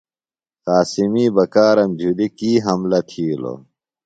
قاسمی بکارم جُھلیۡ کی حملہ تِھیلوۡ؟